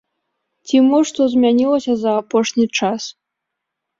Ці мо што змянілася за апошні час?